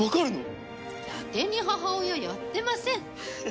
伊達に母親やってません。